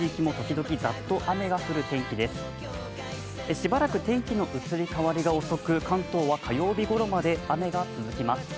しばらく天気の移り変わりが遅く、関東は火曜日ごろまで雨が続きます。